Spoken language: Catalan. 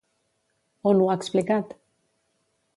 On ho ha explicat?